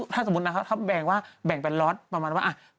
ก็สมมุติพาเขาแบ่งว่าเป็นล็อสประมาณว่า